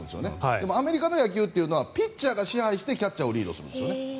でも、アメリカの野球というのはピッチャーが支配してキャッチャーをリードするんですよね。